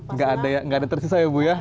nggak ada tersisa ya bu ya